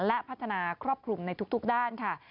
และพัฒนาครอบคลุมในทุกด้านค่ะ